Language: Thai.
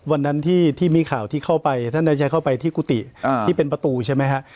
วันนั้นที่มีข่าวที่เข้าไปท่านได้ใช้เข้าไปที่กุฏิที่เป็นประตูใช่ไหมฮะ